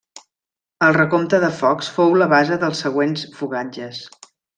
El recompte de focs fou la base dels següents fogatges.